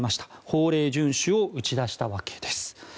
法令順守を打ち出したわけです。